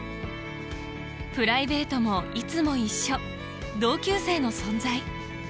プライベートもいつも一緒同級生の存在